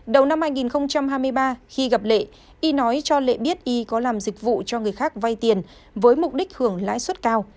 đầu năm hai nghìn hai mươi ba khi gặp lệ y nói cho lệ biết y có làm dịch vụ cho người khác vay tiền với mục đích hưởng lãi suất cao